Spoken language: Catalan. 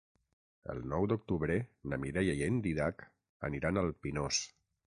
El nou d'octubre na Mireia i en Dídac aniran al Pinós.